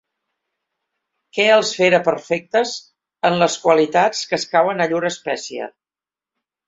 Que els féra perfectes en les qualitats que escauen a llur espècie.